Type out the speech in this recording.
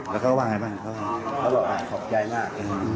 แล้วเขาบอกขอบใจมาก